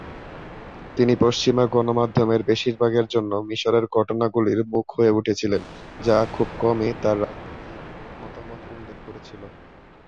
তিনি পশ্চিমা গণমাধ্যমের বেশিরভাগের জন্য মিশরের ঘটনাগুলির মুখ হয়ে উঠেছিলেন, যা খুব কমই তার রাজনৈতিক মতামত উল্লেখ করেছিল।